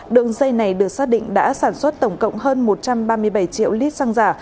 đường dây này được xác định đã sản xuất tổng cộng hơn một trăm ba mươi bảy triệu lít xăng giả